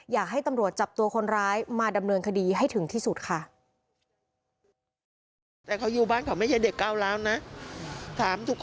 อยากให้ตำรวจจับตัวคนร้ายมาดำเนินคดีให้ถึงที่สุดค่ะ